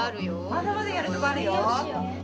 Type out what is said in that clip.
まだまだやるとこあるよ。